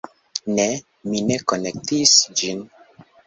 Ne! mi ne konektis ĝin